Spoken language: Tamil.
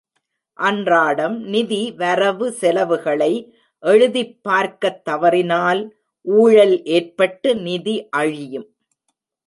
அன்றாடம் நிதி வரவு செலவுகளை எழுதிப் பார்க்கத் தவறினால் ஊழல் ஏற்பட்டு நிதி அழியும்.